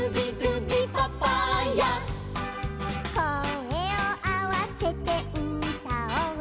「こえをあわせてうたおう」